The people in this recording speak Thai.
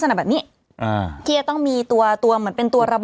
น้องฟ้า